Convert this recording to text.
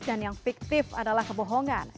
dan yang fiktif adalah kebohongan